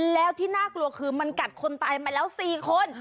แล้วที่น่ากลัวคือมันกัดคนตายมาแล้ว๔คน